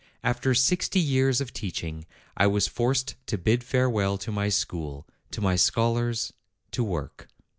After sixty years of teaching I was forced to bid farewell to my school, to my scholars, to work.